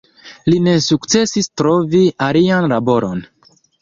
Li ne sukcesis trovi alian laboron.